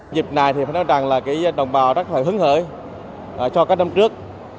dịp này thì phải nói rằng là đồng bào rất là hứng khởi cho các năm trước